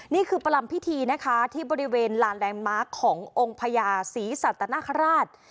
นี่คือปรรำพิธีที่บริเวณลานแรงม้าขององค์พญาสีสัตนาภรรษ